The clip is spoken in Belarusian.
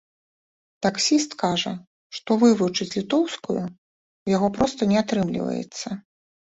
Таксіст кажа, што вывучыць літоўскаю ў яго проста не атрымліваецца.